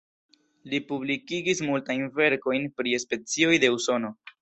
Li publikigis multajn verkojn pri specioj de Usono.